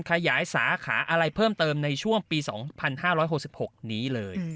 ขยายสาขาอะไรเพิ่มเติมในช่วงปี๒๕๖๖นี้เลย